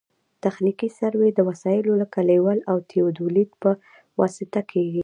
تخنیکي سروې د وسایلو لکه لیول او تیودولیت په واسطه کیږي